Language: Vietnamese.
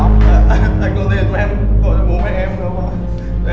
anh gọi điện cho em gọi cho bố mẹ em được không ạ